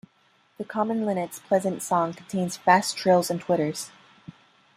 The common linnet's pleasant song contains fast trills and twitters.